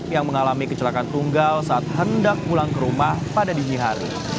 yang mengalami kecelakaan tunggal saat hendak pulang ke rumah pada dini hari